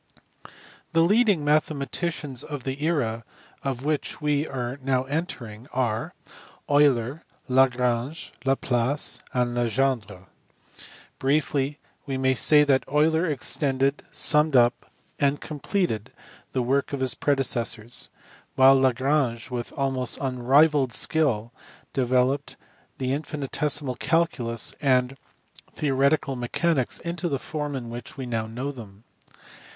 The leading mathematicians of the era on which we are now entering are Euler, Lagrange, Laplace, and Legendre. Briefly we may say that Euler extended, summed up, and com pleted the work of his predecessors ; while Lagrange with almost unrivalled skill developed the infinitesimal calculus and theoretical mechanics into the form in which we now know them.